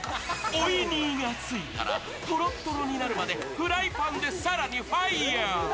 おいにーがついたら、とろっとろになるまでフライパンで更にファイヤー。